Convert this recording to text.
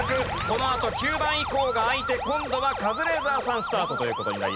このあと９番以降が開いて今度はカズレーザーさんスタートという事になります。